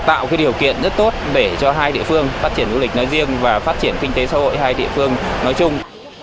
tạo điều kiện rất tốt để cho hai địa phương phát triển du lịch nói riêng và phát triển kinh tế xã hội hai địa phương nói chung